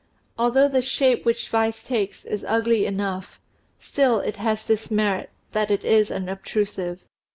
Although the shape which vice takes is ugly enough, still it has this merit, that it is unobtrusive.